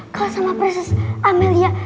kalau sama proses amelia